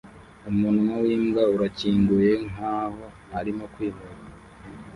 Umunwa wimbwa urakinguye nkaho arimo kwinuba